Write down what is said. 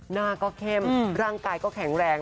หน้าก็เข้มร่างกายก็แข็งแรง